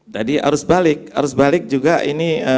tadi arus balik arus balik juga ini